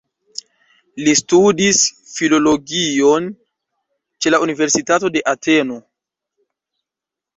Li studis filologion ĉe la Universitato de Ateno.